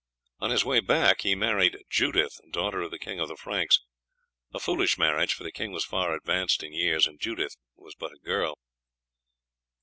On his way back he married Judith, daughter of the King of the Franks; a foolish marriage, for the king was far advanced in years and Judith was but a girl.